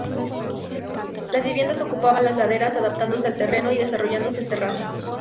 Las viviendas ocupaban las laderas, adaptándose al terreno y desarrollándose en terrazas.